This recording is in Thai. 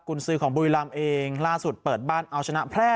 คุณซื้อของบุรีรำเองล่าสุดเปิดบ้านเอาชนะแพร่